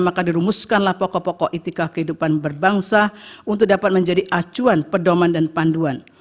maka dirumuskanlah pokok pokok etika kehidupan berbangsa untuk dapat menjadi acuan pedoman dan panduan